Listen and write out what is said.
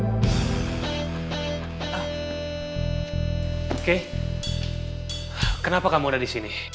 oke kenapa kamu ada di sini